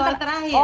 oh soal terakhir